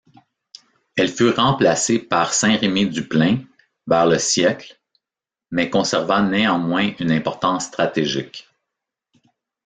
Elle fut remplacée par Saint-Rémy-du-Plain vers le siècle mais conserva néanmoins une importance stratégique.